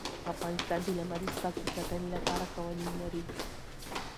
افغانستان د لمریز ځواک د ساتنې لپاره قوانین لري.